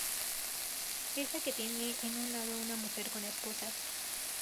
Esa que tiene en un lado una mujer con esposas.